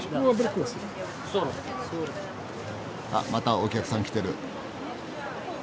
あっまたお客さん来てる。